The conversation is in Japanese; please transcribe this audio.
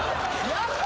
やった！